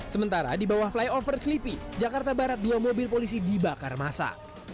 sementara di bawah flyover sleepy jakarta barat dua mobil polisi dibakar masa